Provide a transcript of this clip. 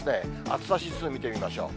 暑さ指数見てみましょう。